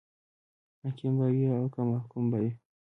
حاکم به وي او که محکوم به وي.